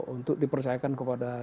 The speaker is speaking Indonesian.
untuk dipercayakan kepada